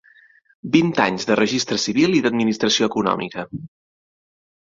Vint anys de registre civil i d'administració econòmica.